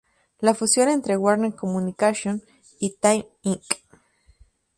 La fusión entre Warner Communications y Time Inc.